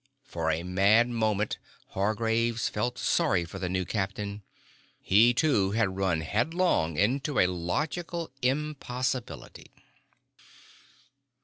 For a mad moment, Hargraves felt sorry for the new captain. He, too, had run headlong into a logical impossibility.